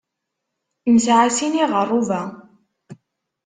Nesɛa sin n yiɣerruba.